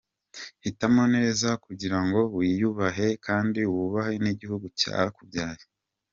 Hitamo neza kugirango wiyubahe kandi wubahe n’igihugu cyakubyaye….